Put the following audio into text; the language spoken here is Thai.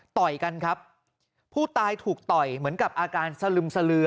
ต่อยกันครับผู้ตายถูกต่อยเหมือนกับอาการสลึมสลือ